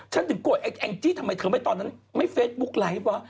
ฉันถึงโกรธแอ้งจี้ทำไมเธอไปตอนนั้นไม่เฟซบุ๊กไลฟ์วะ